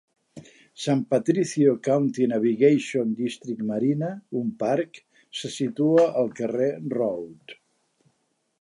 San Patricio County Navigation District Marina, un parc, se situa al carrer Road.